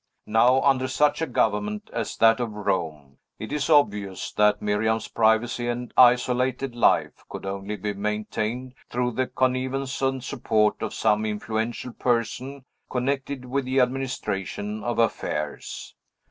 Now, under such a government as that of Rome, it is obvious that Miriam's privacy and isolated life could only be maintained through the connivance and support of some influential person connected with the administration of affairs.